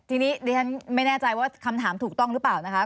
ทีนี้ดิฉันไม่แน่ใจว่าคำถามถูกต้องหรือเปล่านะคะ